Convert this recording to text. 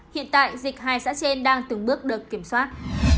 hiện tại dịch hai xã trên đang từng bước được kiểm soát